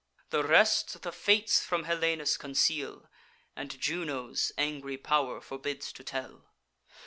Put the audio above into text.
The rest the fates from Helenus conceal, And Juno's angry pow'r forbids to tell.